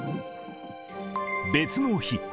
別の日。